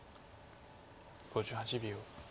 ５８秒。